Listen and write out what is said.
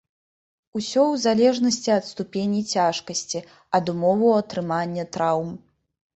Усё ў залежнасці ад ступені цяжкасці, ад умоваў атрымання траўм.